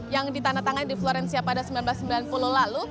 yang ditandatangani di florencia pada seribu sembilan ratus sembilan puluh lalu